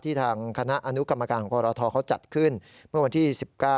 ทางคณะอนุกรรมการของกรทเขาจัดขึ้นเมื่อวันที่๑๙